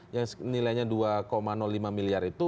yang nilainya dua lima miliar itu